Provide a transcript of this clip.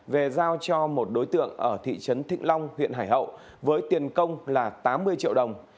về giao cho một đối tượng ở thị trấn thịnh long huyện hải hậu với tiền công là tám mươi triệu đồng